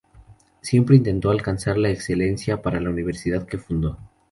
Siempre intentó alcanzar la excelencia para la universidad que fundó.